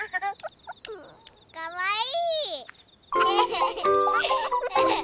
かわいい！